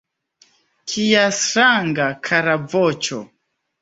Kia stranga, kara voĉo!